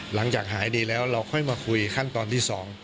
หลังจากหายดีแล้วเราค่อยมาคุยขั้นตอนที่๒